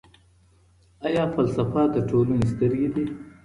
آیا فلسفه د ټولني سترګې دي؟